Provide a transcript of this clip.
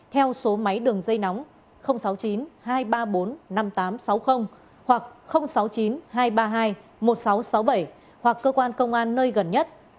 theo số máy đường dây nóng sáu mươi chín hai trăm ba mươi bốn năm nghìn tám trăm sáu mươi hoặc sáu mươi chín hai trăm ba mươi hai một nghìn sáu trăm sáu mươi bảy hoặc cơ quan công an nơi gần nhất